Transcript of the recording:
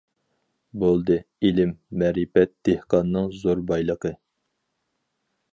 بولدى ئىلىم- مەرىپەت، دېھقاننىڭ زور بايلىقى.